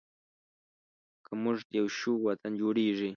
که مونږ یو شو، وطن جوړیږي.